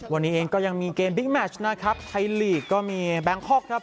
วันนี้เองก็ยังมีเกมบิ๊กแมชนะครับไทยลีกก็มีแบงคอกครับ